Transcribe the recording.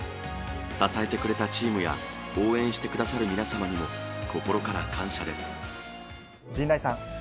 支えてくれたチームや、応援してくださる皆様にも、心から感謝で陣内さん。